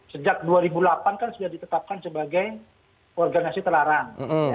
sejak dua ribu delapan kan sudah ditetapkan sebagai organisasi terlarang